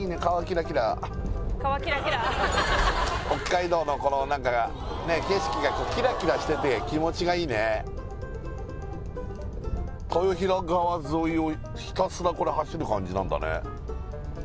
北海道のこの何か景色がキラキラしてて気持ちがいいね豊平川沿いをひたすらこれ走る感じなんだね